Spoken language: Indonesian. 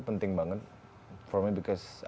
penting banget for me because